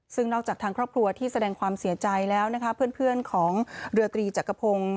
ซึ่งนอกจากทางครอบครัวที่แสดงความเสียใจแล้วนะคะเพื่อนของเรือตรีจักรพงศ์